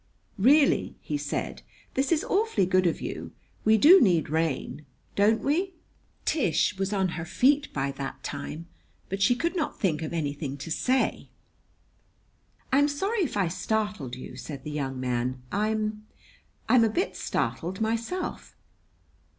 "Really," he said, "this is awfully good of you. We do need rain don't we?" Tish was on her feet by that time, but she could not think of anything to say. "I'm sorry if I startled you," said the young man. "I I'm a bit startled myself."